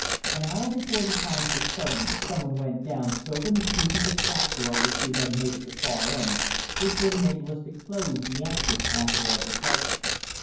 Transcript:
An hour before the time for starting someone went down to open the species of trap door which we had made at the far end, which would enable us to close the exit after our departure.